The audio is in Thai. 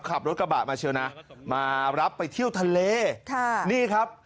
ขับรถกระบะมาเชียวนะมารับไปเที่ยวทะเลค่ะนี่ครับ